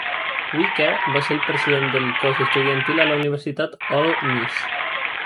Wicker va ser el president del cos estudiantil a la universitat Ole Miss.